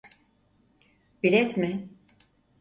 Bilet mi?